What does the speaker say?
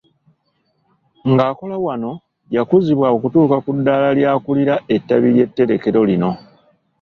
Ng'akola wano, yakuzibwa okutuuka ku ddaala ly'akulira ettabi ly'eterekero lino